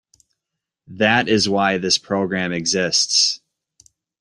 That is why this program exists.